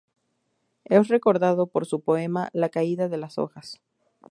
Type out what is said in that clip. Es recordado por su poema "La caída de las hojas".